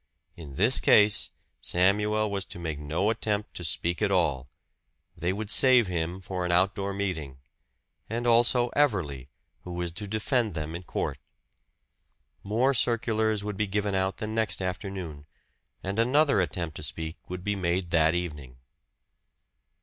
In this case Samuel was to make no attempt to speak at all; they would "save" him for an out door meeting and also Everley, who was to defend them in court. More circulars would be given out the next afternoon, and another attempt to speak would be made that evening.